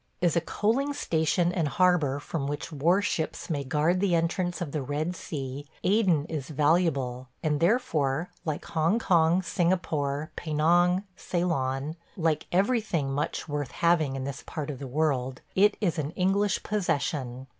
... As a coaling station and harbor from which war ships may guard the entrance of the Red Sea, Aden is valuable; and therefore, like Hong Kong, Singapore, Penang, Ceylon – like everything much worth having in this part of the world – it is an English possession.